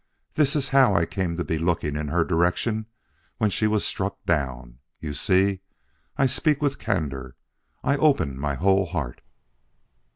This is how I came to be looking in her direction when she was struck down. You see, I speak with candor; I open my whole heart."